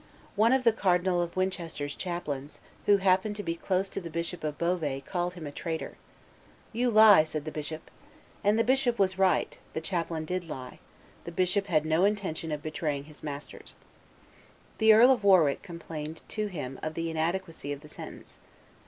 One of the Cardinal of Winchester's chaplains, who happened to be close to the Bishop of Beauvais, called him traitor. "You lie," said the bishop. And the bishop was right; the chaplain did lie; the bishop had no intention of betraying his masters. The Earl of Warwick complained to him of the inadequacy of the sentence.